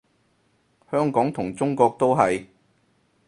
香港同中國都係